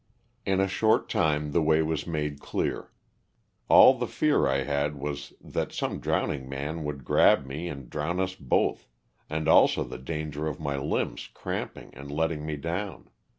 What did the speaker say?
In a short time the way was made clear. All the fear I had was that some drowning man would grab me and drown us both, and also the danger of my limbs cramping and letting me down.